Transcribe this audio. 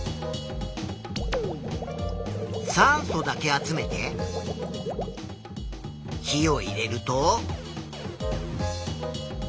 酸素だけ集めて火を入れると。